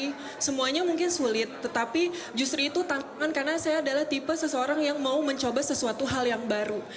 tapi semuanya mungkin sulit tetapi justru itu tantangan karena saya adalah tipe seseorang yang mau mencoba sesuatu hal yang baru